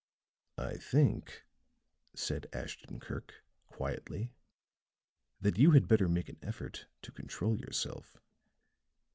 "I think," said Ashton Kirk, quietly, "that you had better make an effort to control yourself.